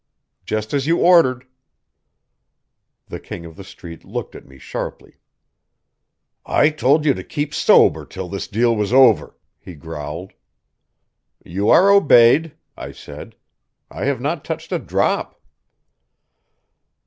"Just as you ordered." The King of the Street looked at me sharply. "I told you to keep sober till this deal was over," he growled. "You are obeyed," I said. "I have not touched a drop."